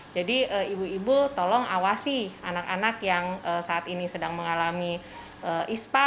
jadi ibu ibu tolong awasi anak anak yang saat ini sedang mengalami ispa